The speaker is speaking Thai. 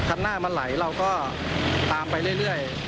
หน้ามันไหลเราก็ตามไปเรื่อย